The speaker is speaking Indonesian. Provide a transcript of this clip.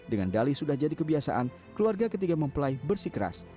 dengan dali sudah jadi kebiasaan keluarga ketiga mempelai bersikeras